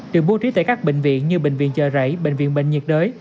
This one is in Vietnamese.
được bố trí tại các bệnh viện như bệnh viện chờ rảy bệnh viện bệnh nhiệt đới